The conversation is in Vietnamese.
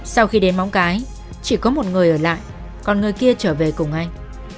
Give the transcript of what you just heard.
sau khi đến bóng cãi chỉ có một người ở lại còn người kia trở về cùng anh